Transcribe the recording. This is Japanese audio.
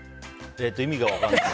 えっと、意味が分からない。